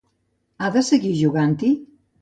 Ha de seguir jugant-hi?